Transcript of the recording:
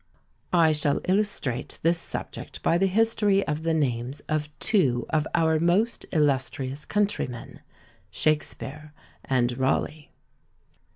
I shall illustrate this subject by the history of the names of two of our most illustrious countrymen, Shakspeare and Rawleigh.